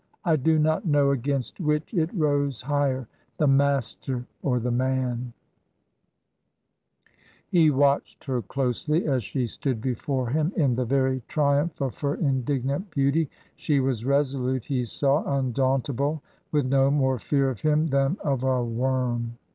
I do not know against which it rose high er — ^the master or the man I' He watched her closely, as she stood before him in the very triumph of her in dignant beauty. She was resolute, he saw ; imdaunt able; with no more fear of him than of a worm.